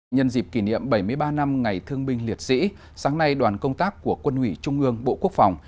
nhân dịp kỷ niệm bảy mươi ba năm ngày thương binh liệt sĩ sáng nay đoàn công tác của quân ủy trung ương bộ quốc phòng